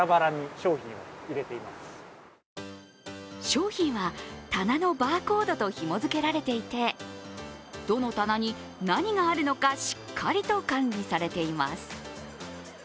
商品は棚のバーコードとひも付けられていてどの棚に、何があるのかしっかりと管理されています。